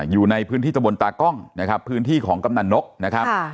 อยู่ในพื้นที่ตะบนตากล้องนะครับพื้นที่ของกำนันนกนะครับ